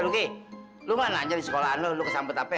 hei luki lo nggak nanya di sekolah lo lo kesambet apa